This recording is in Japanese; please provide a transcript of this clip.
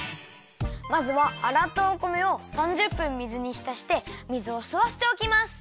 まずはあらったお米を３０分水にひたして水をすわせておきます。